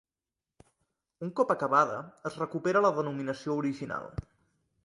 Un cop acabada es recupera la denominació original.